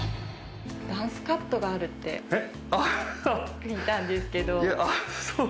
ダンスカットがあるって聞いたんですけど。